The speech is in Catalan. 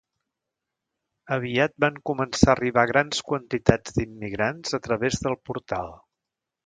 Aviat van començar a arribar grans quantitats d"immigrants a través del portal.